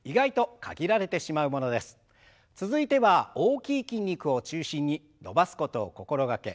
続いては大きい筋肉を中心に伸ばすことを心掛け